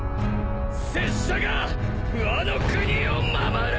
拙者がワノ国を守る！